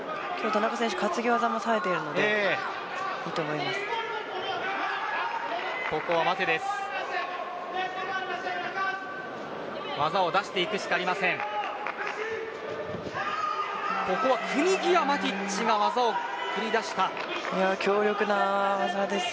田中選手は担ぎ技もさえているのでいいと思います。